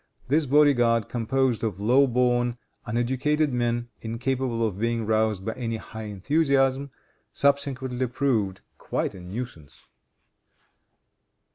This body guard, composed of low born, uneducated men, incapable of being roused to any high enthusiasm, subsequently proved quite a nuisance.